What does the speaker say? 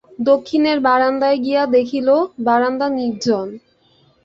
দক্ষিণের বারান্দায় গিয়া দেখিল, বারান্দা নির্জন।